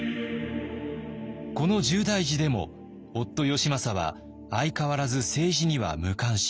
この重大時でも夫義政は相変わらず政治には無関心。